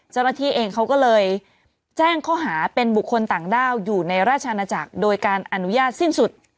เจ้าหน้าที่เองเขาก็เลยแจ้งข้อหาเป็นบุคคลต่างด้าวอยู่ในราชอาณาจักรโดยการอนุญาตสิ้นสุด